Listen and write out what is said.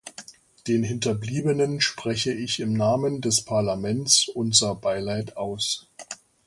Den Hinterbliebenen spreche ich im Namen des Parlaments unser Beileid aus.